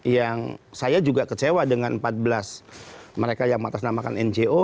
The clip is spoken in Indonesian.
yang saya juga kecewa dengan empat belas mereka yang mengatasnamakan ngo